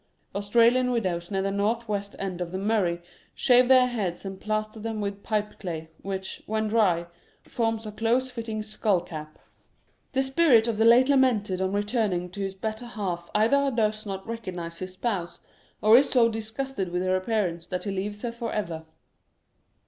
Australian widows near the north west bend of the Murray shave their heads and plaster them with pipeclay, which, when dry, forms a close fitting skull cap. 13 Curiosities of Olden Times The spirit of the late lamented on returning to his better half either does not recognise his spouse, or is so disgusted with her appearance that he leaves her for ever.